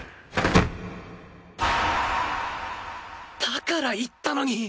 だから言ったのに。